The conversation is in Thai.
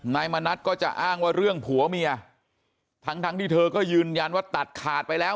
มณัฐก็จะอ้างว่าเรื่องผัวเมียทั้งทั้งที่เธอก็ยืนยันว่าตัดขาดไปแล้ว